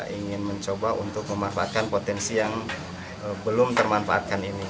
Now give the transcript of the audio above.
ingin mencoba untuk memanfaatkan potensi yang belum termanfaatkan ini